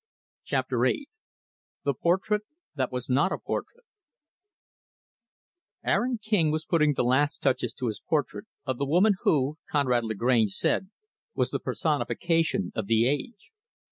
Chapter VIII The Portrait That Was Not a Portrait Aaron King was putting the last touches to his portrait of the woman who Conrad Lagrange said was the personification of the age.